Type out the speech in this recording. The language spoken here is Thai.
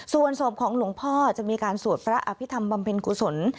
ส่วนศพของหลวงพ่อจะมีการสวดพระอภิษฐรรมบำเพ็ญกุศล